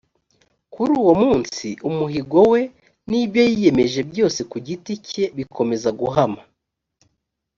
kuri uwo munsi, umuhigo we n’ibyo yiyemeje byose ku giti cye bikomeza guhama.